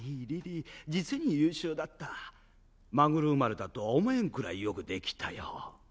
リリー実に優秀だったマグル生まれだとは思えんくらいよくできたよ